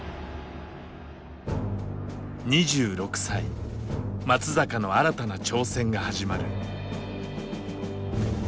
２６歳松坂の新たな挑戦が始まる。